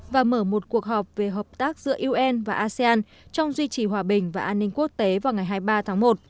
và mở một cuộc họp về hợp tác giữa un và asean trong duy trì hòa bình và an ninh quốc tế vào ngày hai mươi ba tháng một